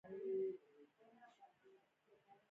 جواهرات د افغانستان د طبعي سیسټم توازن ساتي.